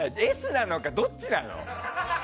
Ｓなのかどっちなの？